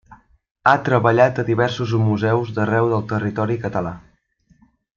Ha treballat a diversos museus d'arreu del territori català.